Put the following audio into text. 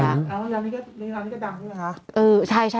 อ๋อร้านนี้ก็ดังดูเหรอคะ